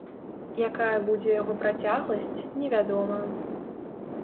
Якая будзе яго працягласць, невядома.